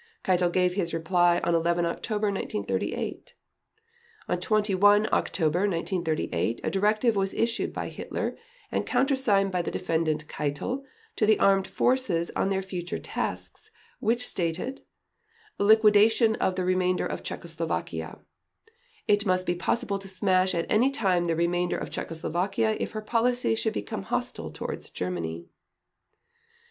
Keitel gave his reply on 11 October 1938. On 21 October 1938 a directive was issued by Hitler, and countersigned by the Defendant Keitel, to the Armed Forces on their future tasks, which stated: "Liquidation of the remainder of Czechoslovakia. It must be possible to smash at any time the remainder of Czechoslovakia if her policy should become hostile towards Germany."